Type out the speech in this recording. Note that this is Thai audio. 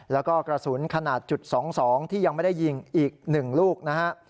แล้วก็กระสุนขนาดจุด๒๒ที่ยังไม่ได้ยิงอีก๑ลูกนะฮะ